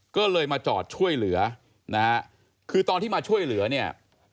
ก็เลยมาจอดช่วยเหลือนะฮะคือตอนที่มาช่วยเหลือเนี่ย